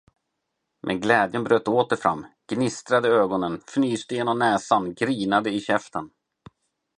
Men glädjen bröt åter fram, gnistrade i ögonen, fnyste genom näsan grinade i käften.